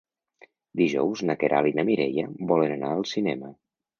Dijous na Queralt i na Mireia volen anar al cinema.